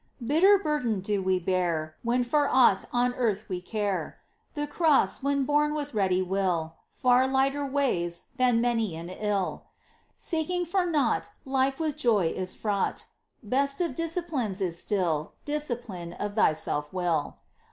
Bitter burden do we bear When for aught on earth we care. The cross, when borne with ready will, Far lighter weighs than many an ill. Seeking for naught. Life with joy is fraught. 56 MINOR WORKS OF ST. TERESA. Best of disciplines is still Discipline of thy self will.